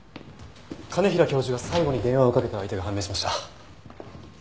兼平教授が最後に電話をかけた相手が判明しました。